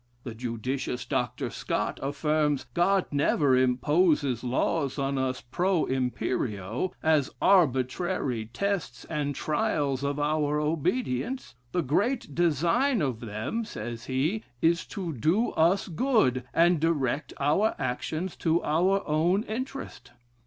The judicious Dr. Scot affirms, 'God never imposes laws on us pro imperio, as arbitrary tests and trials of our obedience. The great design of them (says he,) is to do us good, and direct our actions to our own interest.